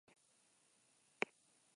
Ez da lekukorik behar.